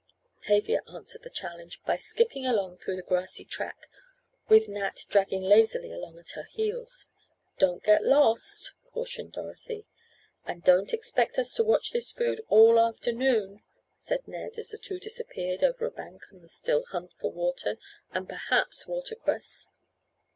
Tavia answered the challenge by skipping along through the grassy track, with Nat dragging lazily along at her heels. "Don't get lost," cautioned Dorothy. "And don't expect us to watch this food all afternoon," said Ned, as the two disappeared over a bank on the "still hunt" for water and perhaps watercress.